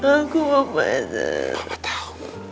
aku mau basah